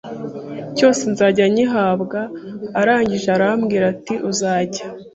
cyose nzajya ngihabwa, arangije arambwira ati uzajya